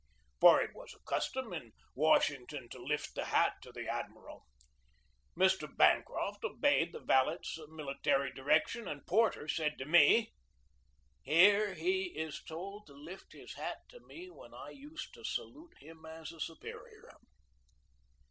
For it was a custom in Washington to lift the hat to the admiral. Mr. Bancroft obeyed the valet's military direction, and Porter said to me: "Here he is told to lift his hat to me when I used to salute him as a superior."